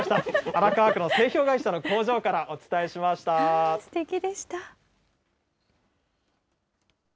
荒川区の製氷会社の工場からお伝すてきでした。